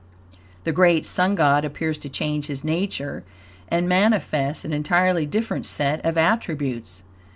The great Sun God appears to change his nature and manifests an entirely different set of attributes.